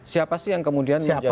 siapa sih yang kemudian menjadi